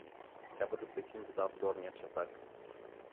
Трябва да светим вода в горния чардак.